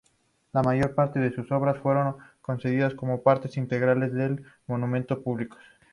La mayor parte de sus obras fueron concebidas como partes integrantes de monumentos públicos.